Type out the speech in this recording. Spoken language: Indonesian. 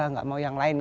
tidak mau yang lain